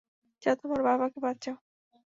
যাও, তোমার বাবাকে বাঁচাও!